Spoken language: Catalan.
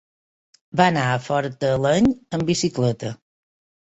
Va anar a Fortaleny amb bicicleta.